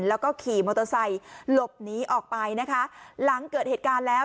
แล้วก็ขี่มอเตอร์ไซค์หลบหนีออกไปนะคะหลังเกิดเหตุการณ์แล้ว